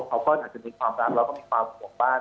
เขาก็อาจจะมีความรักแล้วก็มีความห่วงบ้าน